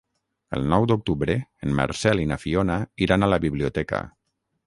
El nou d'octubre en Marcel i na Fiona iran a la biblioteca.